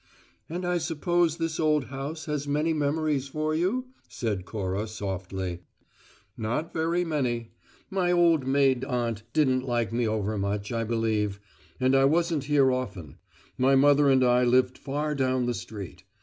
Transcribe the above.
"And I suppose this old house has many memories for you?" said Cora, softly. "Not very many. My, old maid aunt didn't like me overmuch, I believe; and I wasn't here often. My mother and I lived far down the street.